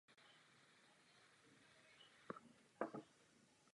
Při kritickém pohybu tedy proudění prochází daným profilem s minimem energie.